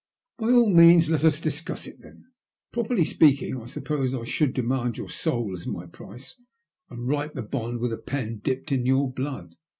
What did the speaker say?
*'By all means let as discuss it then. Properly speaking, I suppose I should demand your soul as my price, and write the bond with a pen dipped in your blood.